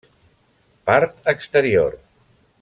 Part exterior: